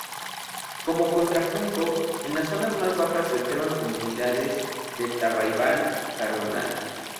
Como contrapunto, en las zonas más bajas se observan comunidades de tabaibal-cardonal.